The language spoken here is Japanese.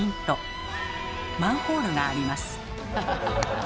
マンホールがあります。